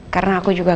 karena aku juga